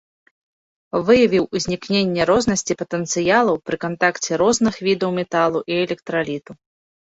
Выявіў узнікненне рознасці патэнцыялаў пры кантакце розных відаў металу і электраліту.